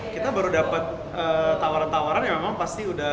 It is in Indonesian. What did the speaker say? kita baru dapat tawaran tawaran yang memang pasti udah